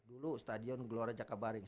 dulu stadion gelora cakabaring